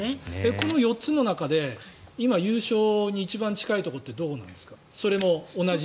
この４つの中で一番優勝に近いところってどこなんですか？